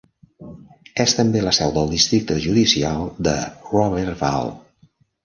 És també la seu del districte judicial de Roberval.